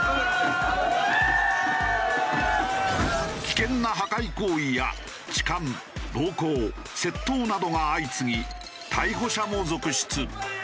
危険な破壊行為や痴漢暴行窃盗などが相次ぎ逮捕者も続出。